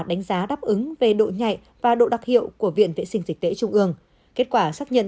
đánh giá đáp ứng về độ nhạy và độ đặc hiệu của viện vệ sinh dịch tễ trung ương kết quả xác nhận